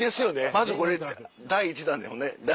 まずこれ第１弾だよね？